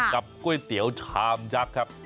ก๋วยเตี๋ยวชามยักษ์ครับ